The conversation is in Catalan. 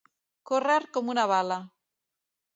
Córrer com una bala.